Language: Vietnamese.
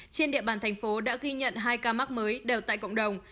trên địa bàn thành phố đã ghi nhận hai ca mắc mới đều tại cộng đồng